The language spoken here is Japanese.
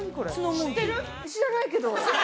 知らないけど。